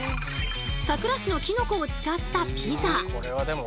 佐倉市のキノコを使ったピザ。